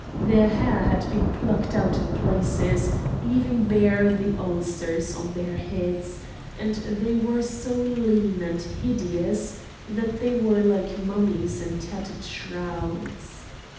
Their hair had been plucked out in places, leaving bare the ulcers on their heads, and they were so lean and hideous that they were like mummies in tattered shrouds.